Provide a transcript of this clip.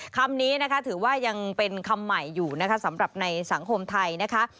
คำนี้นะคะถือว่ายังเป็นคำใหม่อยู่นะคะสำหรับในสังคมไทยนะคะ